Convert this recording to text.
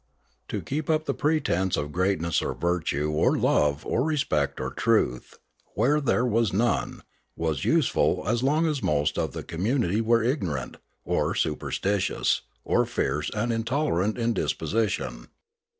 To keep up the pretence of greatness or virtue or love or respect or truth, where there was none, was useful as long as most of the community were ignorant, or su perstitious, or fierce and intolerant in disposition.